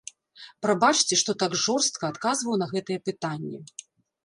Прабачце, што так жорстка адказваў на гэтае пытанне.